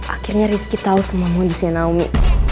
akhirnya rizky tau semua modusnya naomi